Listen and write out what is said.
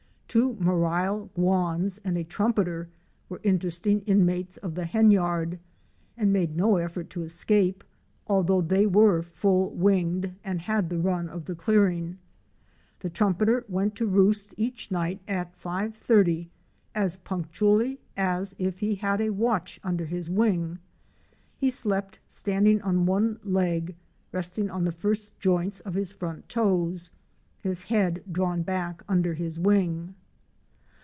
Two Marail Guans® and a Trumpeter" were interesting in mates of the hen yard and made no effort to escape, although they were full winged and had the run of the clearing. The Trumpeter went to roost each night at 5.30 as punctually as if he had a watch under his wing. He slept standing on one leg, resting on the first joints of his front toes, his head drawn back behind his wing.